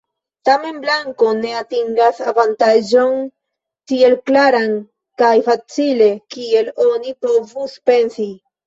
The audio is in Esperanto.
Tamen blanko ne atingas avantaĝon tiel klaran kaj facile kiel oni povus pensi.